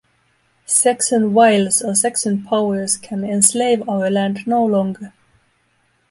Saxon wiles or Saxon powers can enslave our land no longer.